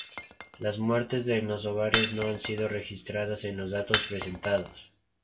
Las muertes en los hogares no han sido registradas en los datos presentados.